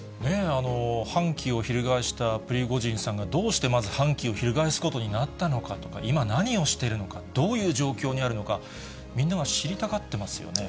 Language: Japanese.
反旗を翻したプリゴジンさんがどうしてまず反旗を翻すことになったのかとか、今、何をしているのか、どういう状況にあるのか、みんなが知りたがってますよね。